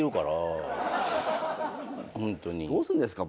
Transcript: どうすんですか？